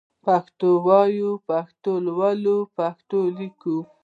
پښتو وايئ ، پښتو لولئ ، پښتو ليکئ